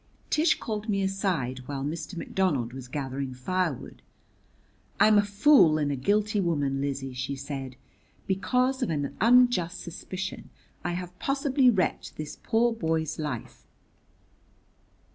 ] Tish called me aside while Mr. McDonald was gathering firewood. "I'm a fool and a guilty woman, Lizzie," she said. "Because of an unjust suspicion I have possibly wrecked this poor boy's life."